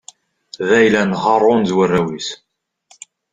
D ayla n Haṛun d warraw-is.